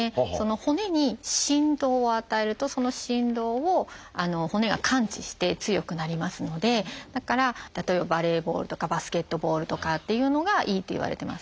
骨に振動を与えるとその振動を骨が感知して強くなりますのでだから例えばバレーボールとかバスケットボールとかっていうのがいいっていわれてます。